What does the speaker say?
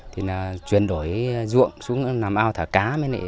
thì là chuyển đổi ruộng xuống nằm ao thả cá